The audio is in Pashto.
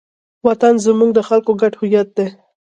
وطن زموږ د خلکو ګډ هویت دی.